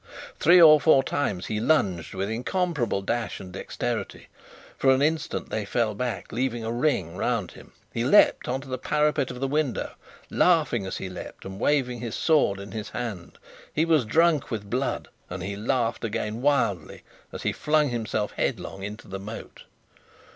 Three or four times he lunged with incomparable dash and dexterity. For an instant they fell back, leaving a ring round him. He leapt on the parapet of the window, laughing as he leapt, and waving his sword in his hand. He was drunk with blood, and he laughed again wildly as he flung himself headlong into the moat.